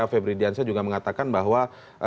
febri diansyah juga mengatakan bahwa